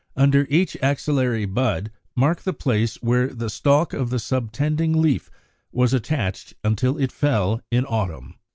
72, 73, under each axillary bud, mark the place where the stalk of the subtending leaf was attached until it fell in autumn.